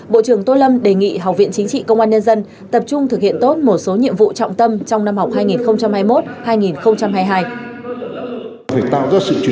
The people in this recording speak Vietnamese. bộ trưởng tô lâm đề nghị học viện chính trị công an nhân dân tập trung thực hiện tốt một số nhiệm vụ trọng tâm trong năm học hai nghìn hai mươi một hai nghìn hai mươi hai